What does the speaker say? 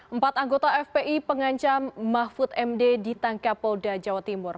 empat anggota fpi pengancam mahfud md ditangkap polda jawa timur